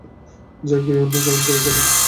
যা, গিয়ে অন্য কাউন্টারে দাঁড়া।